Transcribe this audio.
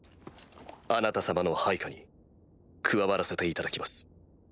あなた様の配下に加わらせていただきます。